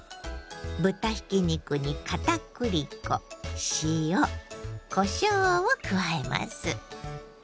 豚ひき肉に片栗粉塩こしょうを加えます。